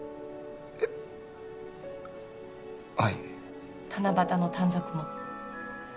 えっはい七夕の短冊も？